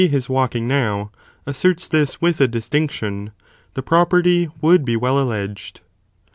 his walking now, asserts this with a distinction, the property would be well alleged.